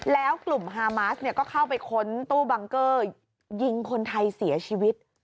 แล้วกลุ่มฮามาสเนี่ยก็เข้าไปค้นตู้บังเกอร์ยิงคนไทยเสียชีวิต